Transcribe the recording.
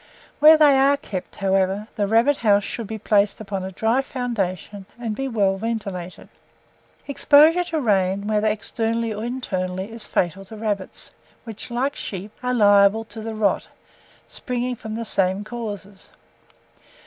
Where they are kept, however, the rabbit house should be placed upon a dry foundation, and be well ventilated. Exposure to rain, whether externally or internally, is fatal to rabbits, which, like sheep, are liable to the rot, springing from the same causes.